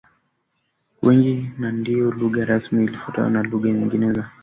wengi na ndiyo lugha rasmi ikifuatwa na lugha nyingine za